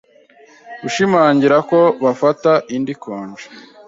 Gushimangira ko bafata indi "konji"